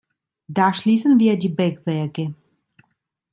Da schließen wir die Bergwerke.